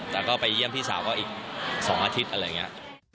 แต่ก็ไปเยี่ยมพี่สาวก็อีก๒อาทิตย์อะไรอย่างนี้